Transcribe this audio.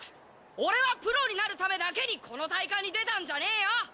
俺はプロになるためだけにこの大会に出たんじゃねえよ！